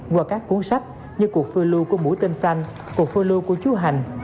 qua các cuốn sách như cuộc phương lưu của mũi tên xanh cuộc phương lưu của chú hành